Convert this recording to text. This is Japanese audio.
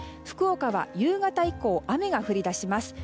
福岡は夕方以降雨が降り出します。